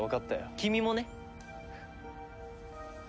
君もね。